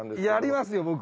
やりますよ